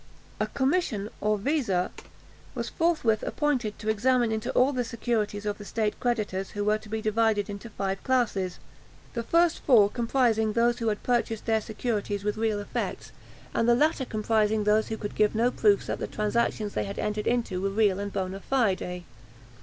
A commission, or visa, was forthwith appointed to examine into all the securities of the state creditors, who were to be divided into five classes; the first four comprising those who had purchased their securities with real effects, and, the latter comprising those who could give no proofs that the transactions they had entered into were real and bonâ fide.